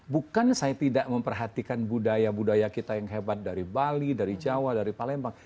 bukan saya tidak memperhatikan budaya budaya kita yang hebat dari bali dari jawa dari palembang